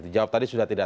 dijawab tadi sudah tidak